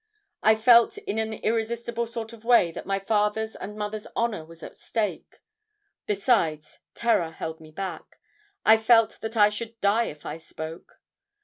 I felt in an irresistible sort of way that my father's and mother's honour was at stake. Besides, terror held me back; I felt that I should die if I spoke.